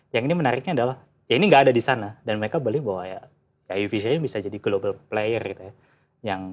yang ini menariknya adalah ya ini nggak ada di sana dan mereka beli bahwa ya eu fishion bisa jadi global player gitu ya